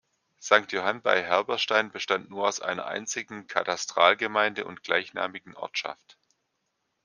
Sankt Johann bei Herberstein bestand nur aus einer einzigen Katastralgemeinde und gleichnamigen Ortschaft.